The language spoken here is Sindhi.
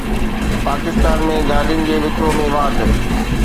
پاڪستان ۾ گاڏين جي وڪرو ۾ واڌ